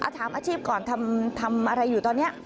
ถามอาชีพก่อนทำอะไรอยู่ตอนนี้